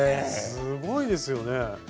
すごいですよね。